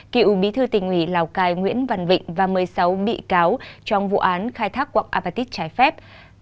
cựu bí thư tỉnh ủy lào cai nguyễn văn vịnh và một mươi sáu bị cáo trong vụ án khai thác quạng apatit trái phép